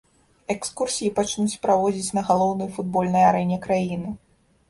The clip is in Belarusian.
Экскурсіі пачнуць праводзіць на галоўнай футбольнай арэне краіны.